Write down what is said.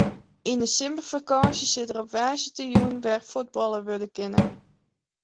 Yn de simmerfakânsje sil der op woansdeitejûn wer fuotballe wurde kinne.